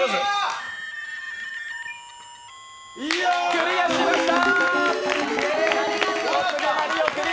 クリアしました！